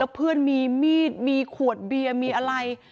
เพื่อนมีมีดมีขวดเบียร์มีอะไร